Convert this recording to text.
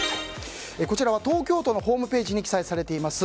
こちらは東京都のホームページに記載されています